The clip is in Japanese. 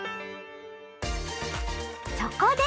そこで！